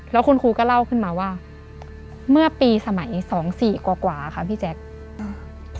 แล้วคุณครูก็เล่าขึ้นมาว่าเมื่อปีสมัยสองสี่กว่ากว่าค่ะพี่แจ๊คอืม